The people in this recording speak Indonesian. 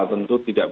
tentu tidak berdakwa